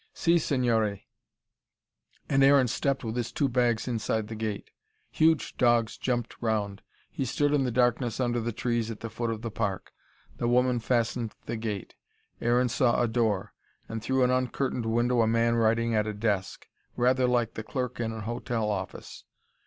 "Si, signore." And Aaron stepped with his two bags inside the gate. Huge dogs jumped round. He stood in the darkness under the trees at the foot of the park. The woman fastened the gate Aaron saw a door and through an uncurtained window a man writing at a desk rather like the clerk in an hotel office.